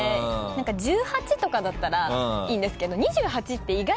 １８とかだったらいいんですけど。